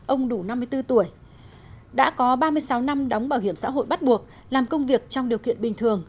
ông đủ năm mươi bốn tuổi đã có ba mươi sáu năm đóng bảo hiểm xã hội bắt buộc làm công việc trong điều kiện bình thường